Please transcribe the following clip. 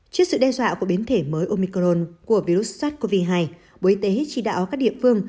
trước sự đe dọa của biến thể mới omicron của virus sars cov hai bộ y tế chỉ đạo các địa phương